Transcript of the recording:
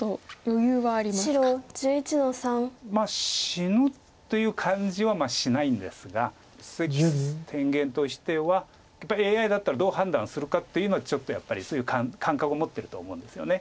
死ぬっていう感じはしないんですが関天元としてはやっぱりＡＩだったらどう判断するかっていうのはちょっとやっぱりそういう感覚を持ってると思うんですよね。